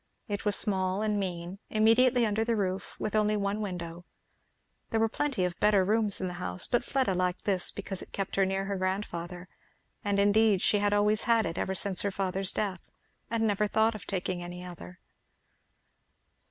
It was small and mean, immediately under the roof, with only one window. There were plenty of better rooms in the house, but Fleda liked this because it kept her near her grandfather; and indeed she had always had it ever since her father's death, and never thought of taking any other.